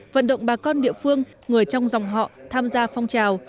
vận động bà con địa phương người trong dòng họ tham gia phong trào